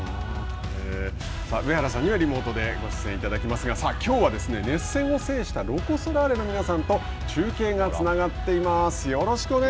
上原さんにはリモートでご出演いただきますがきょうは熱戦を制したロコ・ソラーレの皆さんと中継がつながっています。